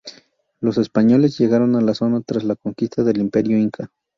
Los españoles llegaron a la zona tras la conquista del Imperio inca.